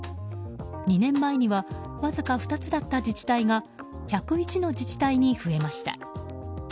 ２年前にはわずか２つだった自治体が１０１の自治体に増えました。